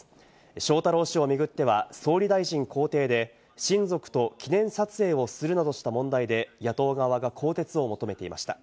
翔太郎氏を巡っては、総理大臣公邸で親族と記念撮影をするなどした問題で、野党側が更迭を求めていました。